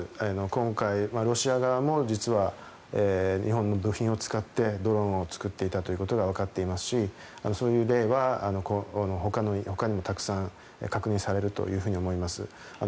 今回、ロシア側も実は日本の部品を使ってドローンを作っていたということがわかっていますしそういう例はほかにもたくさん確認されると思います。